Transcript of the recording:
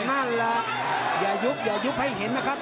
นั่นแหละอย่ายุบอย่ายุบให้เห็นนะครับ